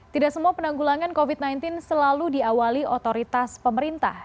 tidak semua penanggulangan covid sembilan belas selalu diawali otoritas pemerintah